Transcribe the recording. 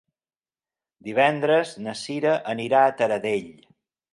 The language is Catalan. Divendres na Cira anirà a Taradell.